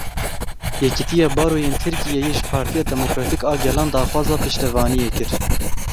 Yekitiya Baroyên Tirkiyeyê ji Partiya Demokratîk a Gelan daxwaza piştevaniyê kir.